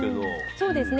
そうですね。